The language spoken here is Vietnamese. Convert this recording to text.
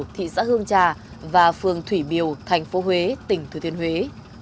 thị xã hương trà và phường thủy biều thành phố huế tỉnh thừa thiên huế